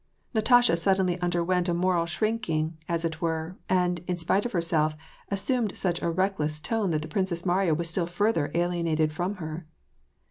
Natasha suddenly underwent a moral shrink ing, as it were, and, in spite of herself, assumed such a reckless tone that the Princess Mariya was still further alienated from her.